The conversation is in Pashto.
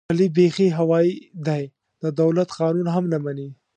علي بیخي هوایي دی، د دولت قانون هم نه مني.